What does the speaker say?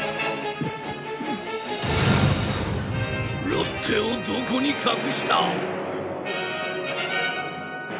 ロッテをどこに隠した！？